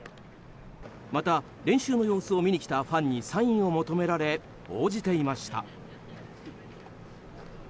また、練習の様子を見に来たファンにサインを求められ応じていました。